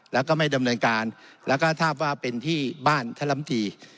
แล้วก็ไม่ดำเนินการแล้วก็ทราบว่าเป็นที่บ้านท่านลำตี